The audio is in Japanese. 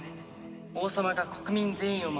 王様が国民全員を守る。